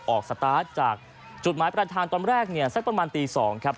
สตาร์ทจากจุดหมายประธานตอนแรกเนี่ยสักประมาณตี๒ครับ